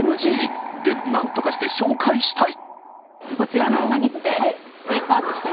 でもなんとかして紹介したい。